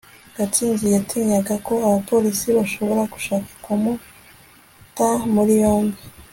gatsinzi yatinyaga ko abapolisi bashobora gushaka kumuta muri yombi